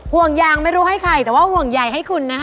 ห่วงยางไม่รู้ให้ใครแต่ว่าห่วงใหญ่ให้คุณนะคะ